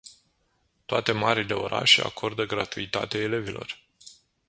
Toate marile orașe acordă gratuitate elevilor.